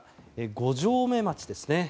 五城目町ですね。